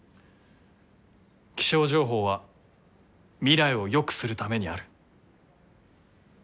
気象情報は未来をよくするためにある。